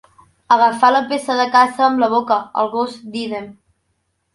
Agafar la peça de caça amb la boca, el gos d'ídem.